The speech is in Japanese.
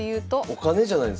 お金じゃないですか？